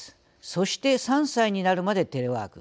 そして３歳になるまでテレワーク。